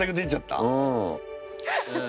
うん。